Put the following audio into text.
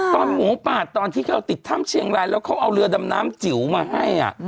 หมูป่าตอนที่เขาติดถ้ำเชียงรายแล้วเขาเอาเรือดำน้ำจิ๋วมาให้